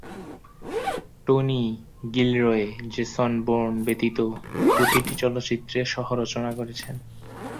Tony Gilroy Jason Bourne ব্যতীত প্রতিটি চলচ্চিত্রে সহ-রচনা করেছেন।